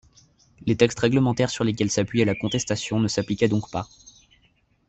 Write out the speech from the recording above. Les textes réglementaires sur lesquels s'appuyait la contestation ne s'appliquaient donc pas.